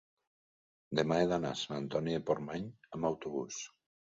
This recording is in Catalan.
Demà he d'anar a Sant Antoni de Portmany amb autobús.